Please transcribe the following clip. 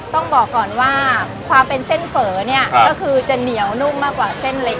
ต้องบอกก่อนว่าความเป็นเส้นเฝอเนี่ยก็คือจะเหนียวนุ่มมากกว่าเส้นเล็ก